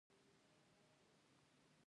مامورین څوک دي؟